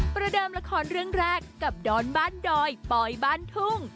ประเดิมละครเรื่องแรกกับดอนบ้านดอยปอยบ้านทุ่ง